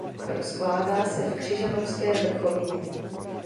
Rozkládá se v Křižanovské vrchovině.